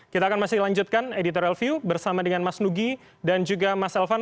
kita akan masih lanjutkan editorial view bersama dengan mas nugi dan juga mas elvan